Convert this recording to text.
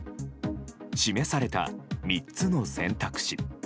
示された３つの選択肢。